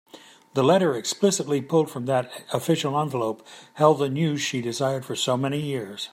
The letter excitedly pulled from that official envelope held the news she desired for so many years.